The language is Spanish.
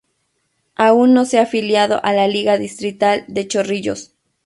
Aún no se ha afiliado a la Liga Distrital de Chorrillos.